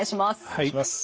はい。